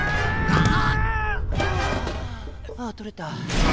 あー取れた。